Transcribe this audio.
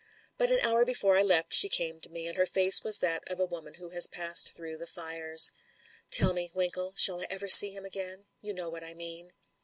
But an hour before I left she came to me, and her face was that of a woman who has passed through the fires. "Tell me. Winkle, shall I ever see him again ? You know what I mean."